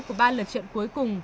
của ba lần trận cuối cùng